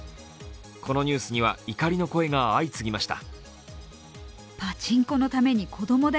このニュースには怒りの声が相次ぎました。